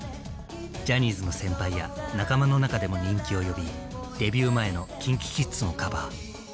ジャニーズの先輩や仲間の中でも人気を呼びデビュー前のＫｉｎＫｉＫｉｄｓもカバー。